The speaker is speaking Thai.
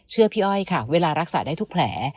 พี่อ้อยค่ะเวลารักษาได้ทุกแผล